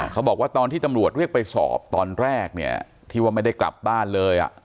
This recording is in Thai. เขาบอกว่าตอนที่ตำรวจเรียกไปสอบตอนแรกเนี่ยที่ว่าไม่ได้กลับบ้านเลย